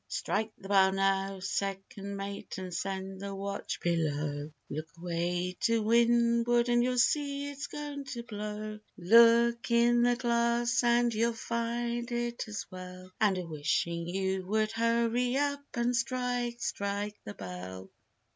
Refrain: Strike the bell now, second mate, and send the watch below, Look away to windward and you'll see it's going to blow. Look in the glass and you'll find it as well, And a wishing you would hurry up and strike, strike the bell!